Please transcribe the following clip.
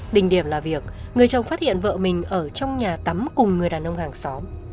đình điểm là việc người chồng phát hiện vợ mình ở trong nhà tắm cùng người đàn ông hàng xóm